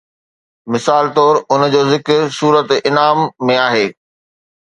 مثال طور ان جو ذڪر سوره انعام ۾ آهي